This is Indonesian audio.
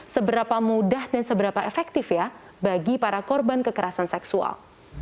seberapa mudah dan seberapa efektif ya bagi para korban kekerasan seksual